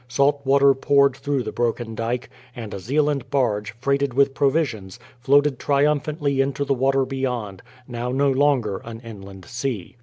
Salt water poured through the broken dyke, and a Zeeland barge, freighted with provisions, floated triumphantly into the water beyond, now no longer an inland sea.